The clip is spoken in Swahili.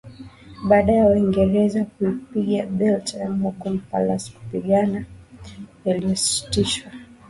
Baada ya Waingereza kuipiga Beit al Hukum Palace mapigano yalisitishwa